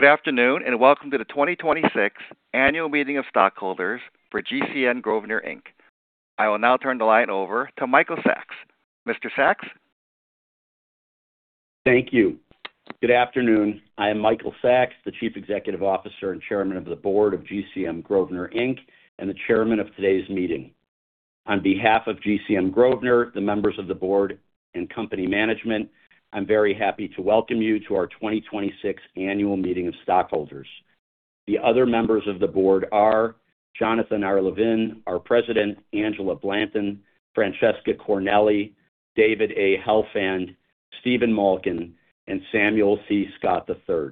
Good afternoon, and welcome to the 2026 annual meeting of stockholders for GCM Grosvenor Inc. I will now turn the line over to Michael Sacks. Mr. Sacks? Thank you. Good afternoon. I am Michael Sacks, the Chief Executive Officer and Chairman of the Board of GCM Grosvenor Inc., and the Chairman of today's meeting. On behalf of GCM Grosvenor, the members of the Board, and company management, I'm very happy to welcome you to our 2026 annual meeting of stockholders. The other members of the Board are Jonathan R. Levin, our President, Angela Blanton, Francesca Cornelli, David A. Helfand, Stephen Malkin, and Samuel C. Scott III.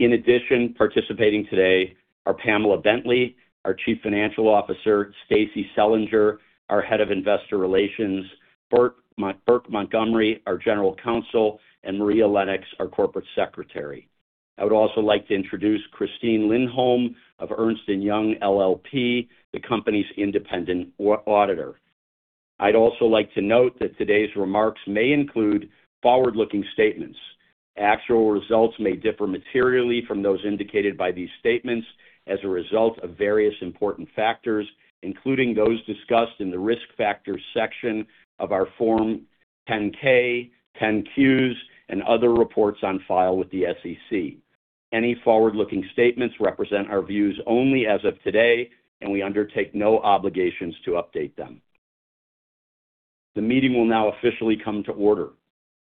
In addition, participating today are Pamela Bentley, our Chief Financial Officer, Stacie Selinger, our Head of Investor Relations, Burke Montgomery, our General Counsel, and Maria Lennox, our Corporate Secretary. I would also like to introduce Christine Lindholm of Ernst & Young LLP, the company's independent auditor. I'd also like to note that today's remarks may include forward-looking statements. Actual results may differ materially from those indicated by these statements as a result of various important factors, including those discussed in the Risk Factors section of our Form 10-K, 10-Qs, and other reports on file with the SEC. Any forward-looking statements represent our views only as of today, and we undertake no obligations to update them. The meeting will now officially come to order.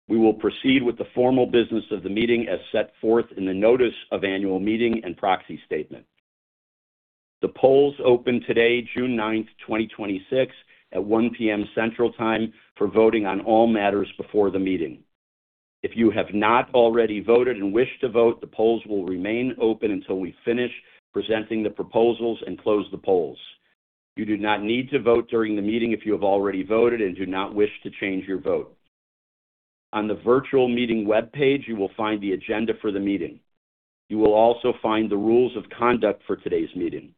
We will proceed with the formal business of the meeting as set forth in the notice of annual meeting and proxy statement. The polls opened today, June 9, 2026, at 1:00 P.M. Central Time for voting on all matters before the meeting. If you have not already voted and wish to vote, the polls will remain open until we finish presenting the proposals and close the polls. You do not need to vote during the meeting if you have already voted and do not wish to change your vote. On the virtual meeting webpage, you will find the agenda for the meeting. You will also find the rules of conduct for today's meeting.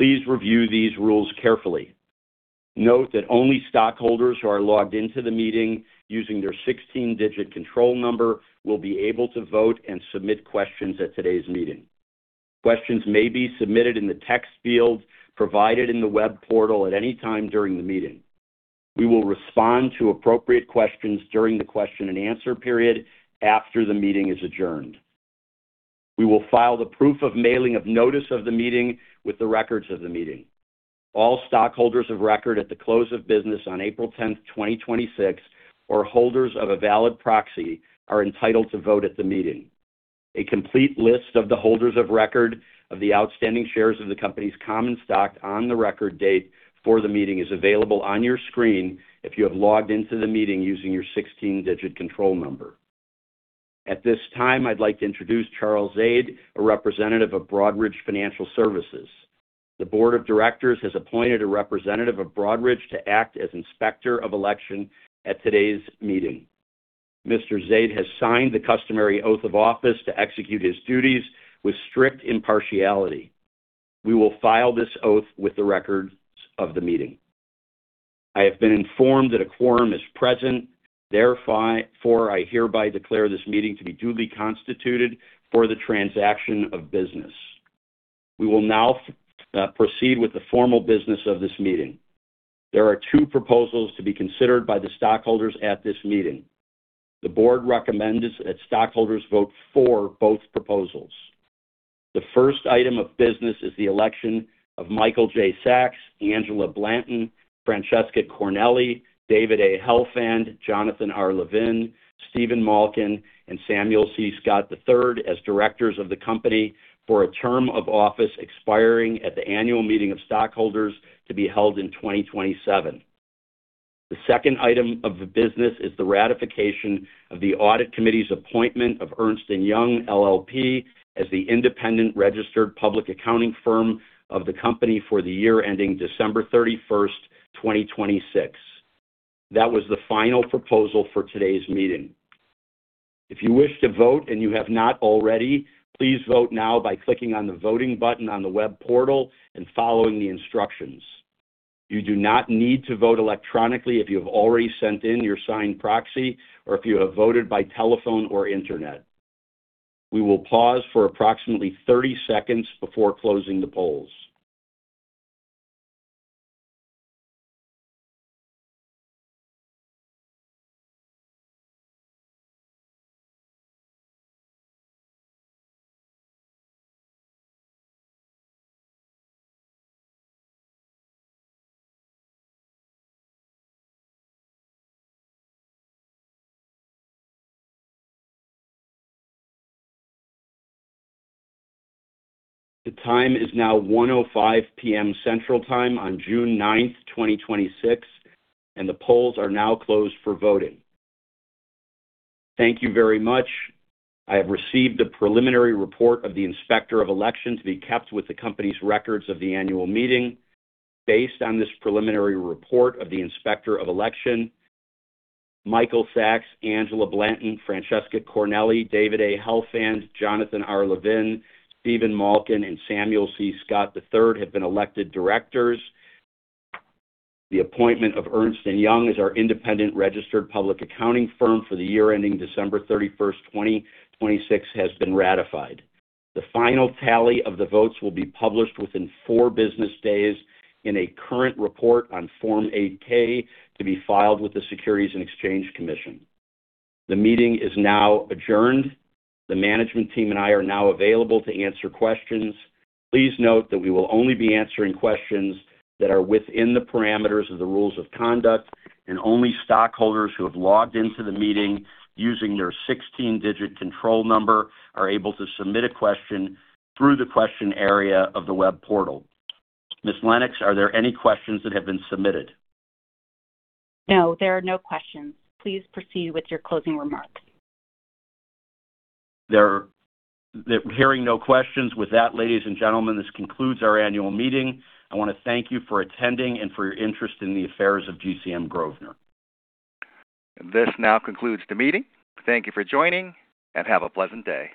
Please review these rules carefully. Note that only stockholders who are logged in to the meeting using their 16-digit control number will be able to vote and submit questions at today's meeting. Questions may be submitted in the text field provided in the web portal at any time during the meeting. We will respond to appropriate questions during the question and answer period after the meeting is adjourned. We will file the proof of mailing of notice of the meeting with the records of the meeting. All stockholders of record at the close of business on April 10th, 2026, or holders of a valid proxy are entitled to vote at the meeting. A complete list of the holders of record of the outstanding shares of the company's common stock on the record date for the meeting is available on your screen if you have logged into the meeting using your 16-digit control number. At this time, I'd like to introduce Charles Zade, a representative of Broadridge Financial Services. The board of directors has appointed a representative of Broadridge to act as Inspector of Election at today's meeting. Mr. Zade has signed the customary oath of office to execute his duties with strict impartiality. We will file this oath with the records of the meeting. I have been informed that a quorum is present. I hereby declare this meeting to be duly constituted for the transaction of business. We will now proceed with the formal business of this meeting. There are two proposals to be considered by the stockholders at this meeting. The board recommends that stockholders vote for both proposals. The first item of business is the election of Michael J. Sacks, Angela Blanton, Francesca Cornelli, David A. Helfand, Jonathan R. Levin, Stephen Malkin, and Samuel C. Scott III as directors of the company for a term of office expiring at the annual meeting of stockholders to be held in 2027. The second item of business is the ratification of the audit committee's appointment of Ernst & Young LLP as the independent registered public accounting firm of the company for the year ending December 31st, 2026. That was the final proposal for today's meeting. If you wish to vote and you have not already, please vote now by clicking on the voting button on the web portal and following the instructions. You do not need to vote electronically if you have already sent in your signed proxy or if you have voted by telephone or internet. We will pause for approximately 30 seconds before closing the polls. The time is now 1:05 P.M. Central Time on June 9th, 2026, and the polls are now closed for voting. Thank you very much. I have received the preliminary report of the Inspector of Elections to be kept with the company's records of the annual meeting. Based on this preliminary report of the Inspector of Election, Michael Sacks, Angela Blanton, Francesca Cornelli, David A. Helfand, Jonathan R. Levin, Stephen Malkin, and Samuel C. Scott III have been elected directors. The appointment of Ernst & Young as our independent registered public accounting firm for the year ending December 31st, 2026, has been ratified. The final tally of the votes will be published within four business days in a current report on Form 8-K to be filed with the Securities and Exchange Commission. The meeting is now adjourned. The management team and I are now available to answer questions. Please note that we will only be answering questions that are within the parameters of the rules of conduct, and only stockholders who have logged into the meeting using their 16-digit control number are able to submit a question through the question area of the web portal. Ms. Lennox, are there any questions that have been submitted? No, there are no questions. Please proceed with your closing remarks. Hearing no questions. With that, ladies and gentlemen, this concludes our annual meeting. I want to thank you for attending and for your interest in the affairs of GCM Grosvenor. This now concludes the meeting. Thank you for joining, and have a pleasant day.